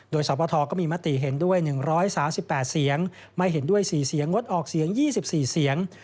โดยสปทก็มีมติเห็นด้วย๑๓๘เสียงไม่เห็นด้วย๔เสียงงดออกเสียง๒๔เสียง